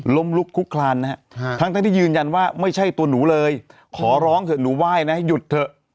ลุกคุกคลานนะฮะทั้งที่ยืนยันว่าไม่ใช่ตัวหนูเลยขอร้องเถอะหนูไหว้นะหยุดเถอะ